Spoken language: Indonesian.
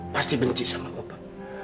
pasti benci sama bapak